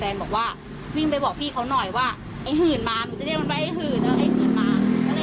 เพราะกล้องเก็บพูดก้นเหมือนถ่ายได้เลยอะไรอย่างนี้